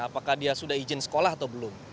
apakah dia sudah izin sekolah atau belum